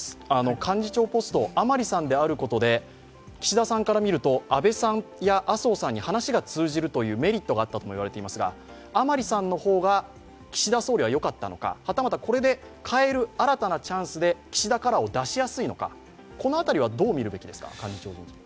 幹事長ポスト、甘利さんであることで岸田さんから見ると、安倍さんや麻生さんに話が通じるというメリットがあったとも言われていますが、甘利さんの方が岸田総理はよかったのか、はたまた、これで代える、新たなチャンスで岸田カラーを出しやすいのかこの辺りはどう見るべきですか？